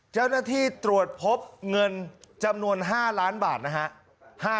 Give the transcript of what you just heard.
เจ้าหน้าที่ตรวจพบเงินจำนวน๕ล้านบาทนะฮะ